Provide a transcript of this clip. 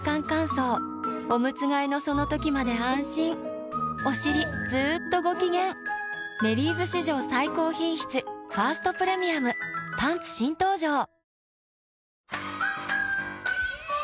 乾燥おむつ替えのその時まで安心おしりずっとご機嫌「メリーズ」史上最高品質「ファーストプレミアム」パンツ新登場！